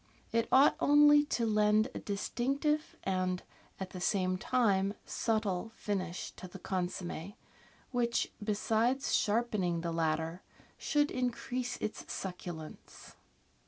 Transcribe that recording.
It ought only to lend a distinctive and, at the same time, subtle finish to the consomm6, which, besides sharpening the latter, should increase its succulence.